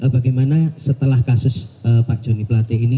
bagaimana setelah kasus pak joni plate ini